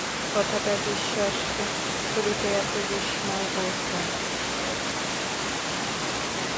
কথাটা বিশ্বাস করিতে এত বিস্ময় বোধ হয়।